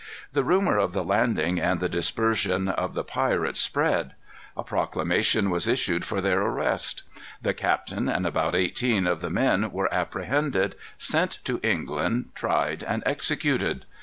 The rumor of the landing and dispersion of the pirates spread. A proclamation was issued for their arrest. The captain and about eighteen of the men were apprehended, sent to England, tried, and executed.